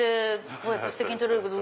こうやってステキに撮れるけど。